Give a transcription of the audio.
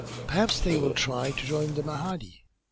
Perhaps they will try to join the Mahdi."